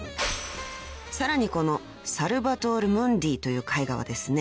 ［さらにこの『サルバトール・ムンディ』という絵画はですね